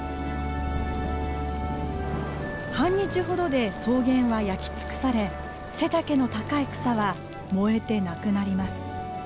半日ほどで草原は焼き尽くされ背丈の高い草は燃えてなくなります。